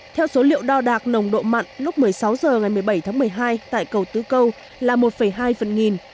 theo số liệu đo đạc nồng độ mặn lúc một mươi sáu h ngày một mươi bảy tháng một mươi hai tại cầu tứ câu là một hai phần nghìn